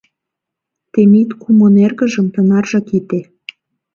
Темит кумын эргыжым тынаржак ите.